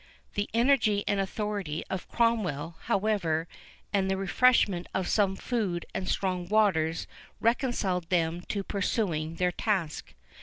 The energy and authority of Cromwell, however, and the refreshment of some food and strong waters, reconciled them to pursuing their task.